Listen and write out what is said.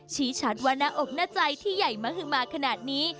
ชี้ชัดว่าหน้าอกหน้าใจที่ใหญ่มหือมาขนาดนี้